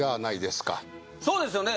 そうですよね